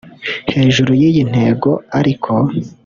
Hejuru y’iyi ntego ariko